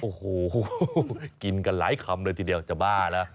โอ้โหกินกันหลายคำเลยทีเดียวจะบ้าแล้ว